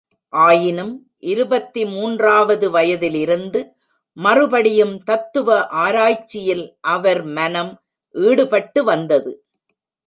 ஆயினும், இருபத்து மூன்றாவது வயதிலிருந்து மறுபடியும் தத்துவ ஆராய்ச்சியில் அவர் மனம் ஈடுபட்டு வந்தது.